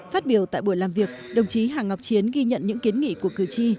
phát biểu tại buổi làm việc đồng chí hà ngọc chiến ghi nhận những kiến nghị của cử tri